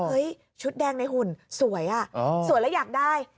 ชุดแดงในหุ่นสวยอ่ะสวยแล้วอยากได้